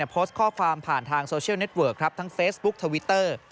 โพสต์ข้อความผ่านทางโซเชียลเน็ตเวิร์กครับทั้งเฟซบุ๊กทวิตเตอร์